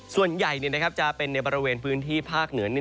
ส่วนใหญ่จะเป็นในบริเวณพื้นที่ภาคเหนือ